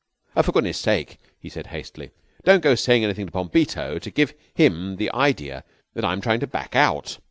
"For goodness' sake," he said hastily, "don't go saying anything to Bombito to give him the idea that I'm trying to back out.